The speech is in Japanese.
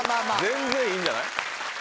全然いいんじゃない？